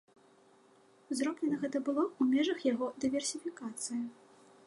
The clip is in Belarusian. Зроблена гэта было ў межах яго дыверсіфікацыі.